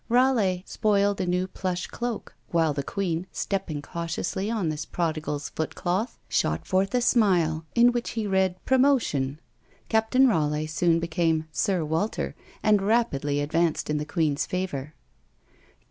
Raleigh spoiled a new plush cloak, while the queen, stepping cautiously on this prodigal's footcloth, shot forth a smile, in which he read promotion. Captain Raleigh soon became Sir Walter, and rapidly advanced in the queen's favour.